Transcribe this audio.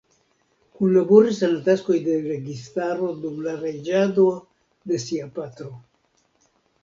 Kunlaboris en la taskoj de registaro dum la reĝado de sia patro.